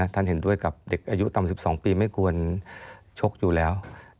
ท่านเห็นด้วยกับเด็กอายุต่ำ๑๒ปีไม่ควรชกอยู่แล้ว